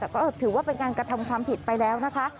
แต่ก็ถือว่าเป็นการกระทำความผิดไปแล้วนะคะ